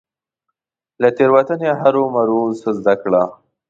له تيروتني هرمروه څه زده کړه .